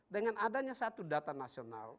dengan adanya satu data nasional